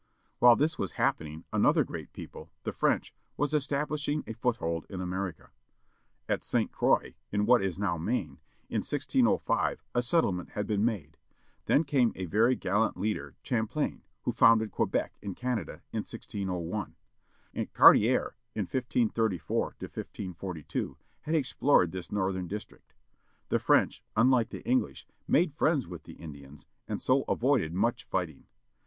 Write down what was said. While this was happening another great people, the French, was establishing a foothold in America. At St. Croix, in what is now Maine, in 1605 a settlement had been made. Then came a very gallant leader Champlain, who founded Quebec, in Canada, in 1609. Cartier in 1534 42 had explored this northern district. The French, unlike the English, made friends with the Indians, and so avoided much fighting.